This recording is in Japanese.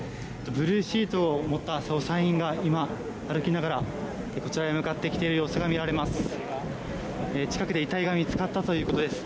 ブルーシートを持った捜査員が今、歩きながらこちらへ向かってきている様子がみられます。